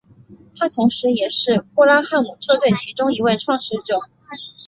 他同时也是布拉汉姆车队其中一位创始者。